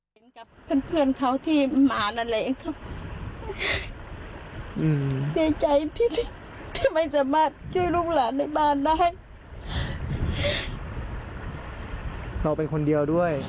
ยายเสียใจแล้วยายไม่ช่วยเองไม่ได้เลย